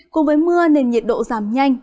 cùng với mưa nên nhiệt độ giảm nhanh